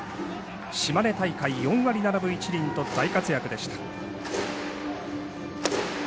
島根大会、４割７分１厘と大活躍でした。